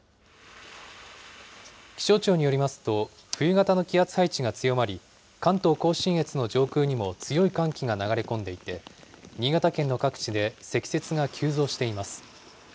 気象庁によりますと、冬型の気圧配置が強まり、関東甲信越の上空にも強い寒気が流れ込んでいて、新潟県の各地で積雪が急増しています。